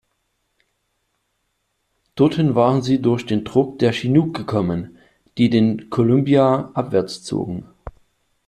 Dorthin waren sie durch den Druck der Chinook gekommen, die den Columbia abwärts zogen.